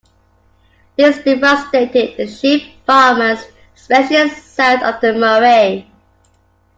This devastated the sheep farmers, especially south of the Murray.